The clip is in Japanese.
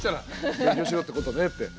勉強しろってことねって。